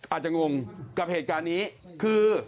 อาจจะงงกับเหตุการณ์นี้คือ